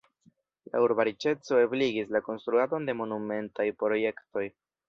La urba riĉeco ebligis la konstruadon de monumentaj projektoj.